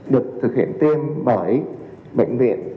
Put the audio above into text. được thực hiện tiêm bởi bệnh viện